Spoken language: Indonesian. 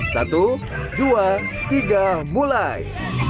satu dua tiga mulai